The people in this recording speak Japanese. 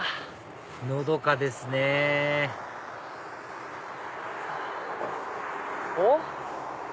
のどかですねおっ。